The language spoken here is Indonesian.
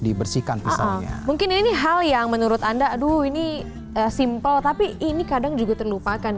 dibersihkan mungkin ini hal yang menurut anda aduh ini simple tapi ini kadang juga terlupakan